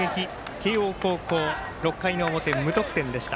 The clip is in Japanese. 慶応高校６回の表、無得点でした。